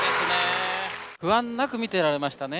不安なく見てられましたね。